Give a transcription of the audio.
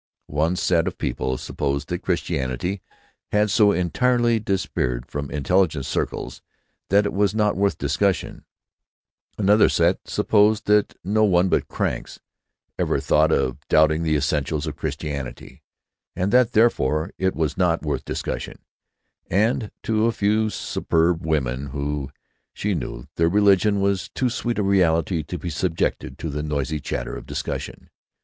One set of people supposed that Christianity had so entirely disappeared from intelligent circles that it was not worth discussion; another set supposed that no one but cranks ever thought of doubting the essentials of Christianity, and that, therefore, it was not worth discussion; and to a few superb women whom she knew, their religion was too sweet a reality to be subjected to the noisy chatter of discussion.